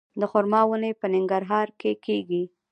د خرما ونې په ننګرهار کې کیږي؟